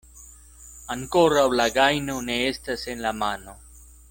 Ankoraŭ la gajno ne estas en la mano.